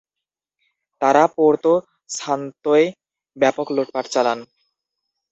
তারা পোর্তো সান্তোয় ব্যাপক লুটপাট চালান।